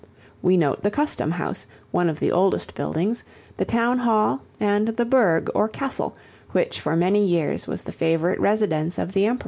We note the custom house, one of the oldest buildings, the town hall and the burg or castle, which for many years was the favorite residence of the Emperor.